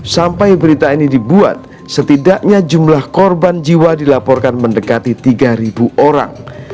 sampai berita ini dibuat setidaknya jumlah korban jiwa dilaporkan mendekati tiga orang